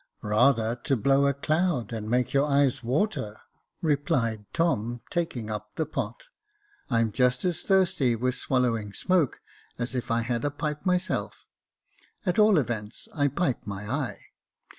" Rather to blow a cloud and make your eyes water," replied Tom, taking up the pot :" I'm just as thirsty with swallowing smoke, as if I had a pipe myself — at all events Jacob Faithful 229 I pipe my eye.